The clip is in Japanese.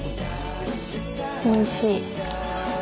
おいしい。